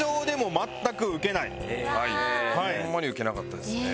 ホンマにウケなかったですね。